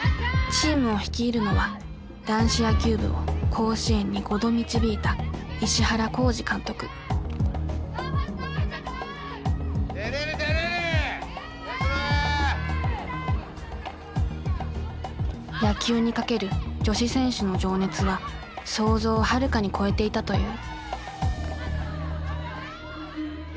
チームを率いるのは男子野球部を甲子園に５度導いた野球にかける女子選手の情熱は想像をはるかに超えていたという。